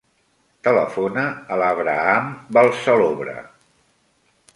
Telefona a l'Abraham Balsalobre.